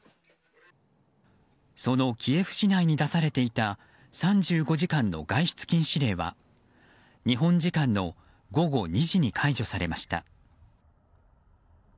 そのキエフ市内に出されていた３５時間の外出禁止令は日本時間の午後２時に解除されました。